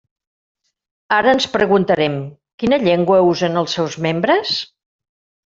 Ara ens preguntarem: ¿quina llengua usen els seus membres?